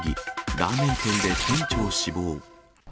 ラーメン店で店長死亡。